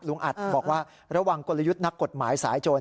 อัดบอกว่าระวังกลยุทธ์นักกฎหมายสายโจร